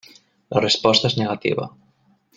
La resposta és negativa.